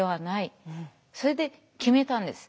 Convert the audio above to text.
それで決めたんです。